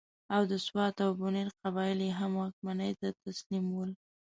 او د سوات او بنیر قبایل یې هم واکمنۍ ته تسلیم ول.